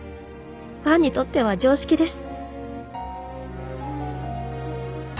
ファンにとっては常識です